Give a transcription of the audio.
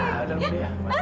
aduh budi ya